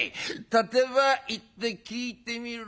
立て場行って聞いてみろ。